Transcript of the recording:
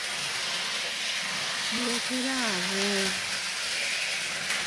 Mulekere awo!